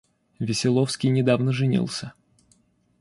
Веселовский недавно женился.